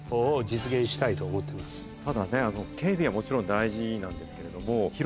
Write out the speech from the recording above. ただね警備はもちろん大事なんですけれども。